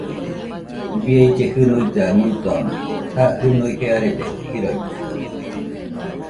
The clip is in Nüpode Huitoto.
Bie ille junuilla muidona, ja jɨnui jearede jiroitɨkaɨ